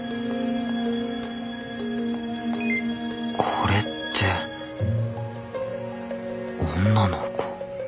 これって女の子？